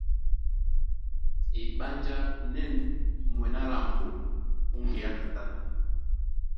Eɓánjá na ɛ̂n mwɛ̌n á lambo ó ŋgeá tatân.